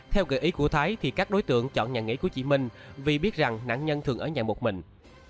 theo kệ ý của thái thì các đối tượng chọn nhà nghỉ của chị minh vì biết rằng nạn nhân thường ở nhà một mình